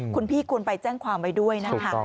คุณพี่ควรไปแจ้งความไว้ด้วยนะคะ